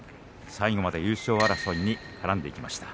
最後まで優勝争いに絡んでいきました。